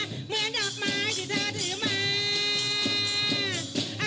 เหมือนดอกไม้ที่เธอถือมา